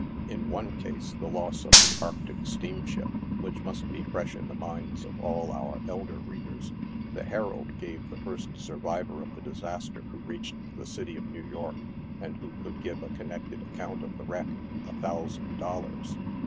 In one case, the loss of the " Arctic" steamship, which must be fresh in the minds of all our elder readers, the Herald gave the first survivor of the disaster who reached the city of New York, and who could give a connected account of the wreck, a. thousand dollars.